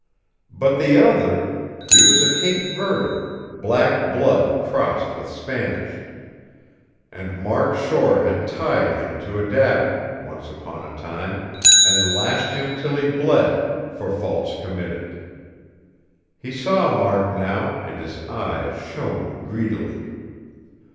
But the other ... He was a Cape Verder, black blood crossed with Spanish; and Mark Shore had tied him to a davit, once upon a time, and lashed him till he bled, for faults committed. He saw Mark now, and his eyes shone greedily.